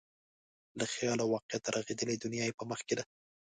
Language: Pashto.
له خیال او واقعیته رغېدلې دنیا یې په مخ کې ده.